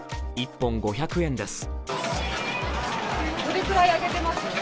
１本５００円です。